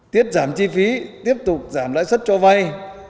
tiết giảm chi phí tiếp tục giảm lãi suất cho vay